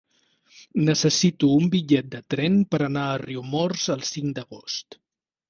Necessito un bitllet de tren per anar a Riumors el cinc d'agost.